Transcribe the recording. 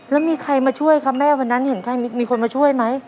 แล้วมีใครมาช่วยครับแม่วันนั้นเห็นใครมีคนมาช่วยไหม